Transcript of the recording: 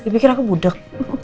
dipikir aku budeg